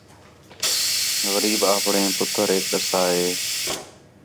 غریب آپݨے پُتریک ݙَسّا ہِے